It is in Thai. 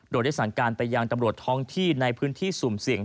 โดยได้สั่งการไปยังตำรวจท้องที่ในพื้นที่สุ่มเสี่ยง